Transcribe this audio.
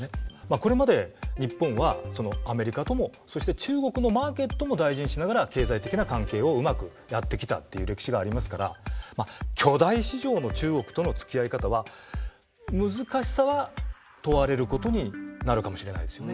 これまで日本はアメリカともそして中国のマーケットも大事にしながら経済的な関係をうまくやってきたっていう歴史がありますから巨大市場の中国とのつきあい方は難しさは問われることになるかもしれないですよね。